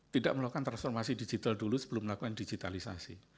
tidak melakukan transformasi digital dulu sebelum melakukan digitalisasi